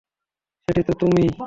সেটা তো আমিই।